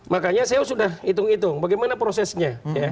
makanya saya sudah hitung hitung bagaimana prosesnya